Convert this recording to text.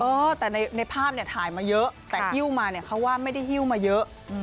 เออแต่ในภาพเนี่ยถ่ายมาเยอะแต่หิ้วมาเนี่ยเขาว่าไม่ได้ฮิ้วมาเยอะ